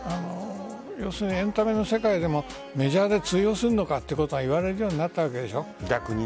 エンタメの世界でもメジャーで通用するのかということはいわれるようになったわけでしょう。